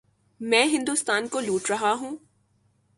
میں ہندوستان کو لوٹ رہا ہوں۔